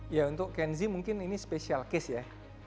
ya untuk kenzi mungkin ini spesial case ya